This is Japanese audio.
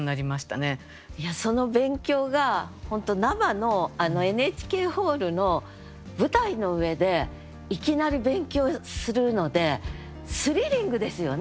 その勉強が本当生のＮＨＫホールの舞台の上でいきなり勉強するのでスリリングですよね。